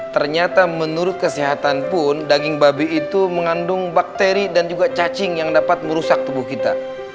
ternyata menurut kesehatan pun daging babi itu mengandung bakteri dan juga cacing yang dapat merusak tubuh kita